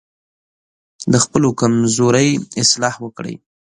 د خپلو کمزورۍ اصلاح وکړئ.